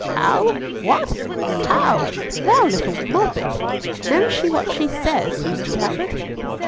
"How! What? How! Thou little moppet! Knows she what she says, Susan Talbot?"